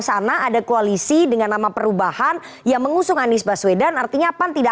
sana ada koalisi dengan nama perubahan yang mengusung anies baswedan artinya pan tidak